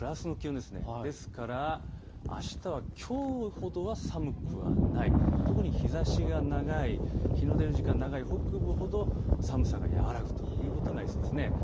ですからあすはきょうほどは寒くはない、特に日ざしが長い、火の出る時間が長い北部ほど寒さが和らぐということになりそうです。